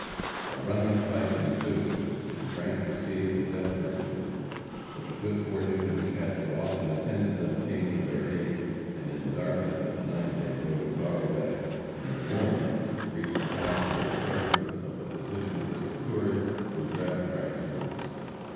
A running fight ensued, and Frank received a desperate wound. But the good fortune which had so often attended them came to their aid, and in the darkness of the night they rode far away, and in the morning reached a house where the services of a physician were secured, who dressed Frank's wounds.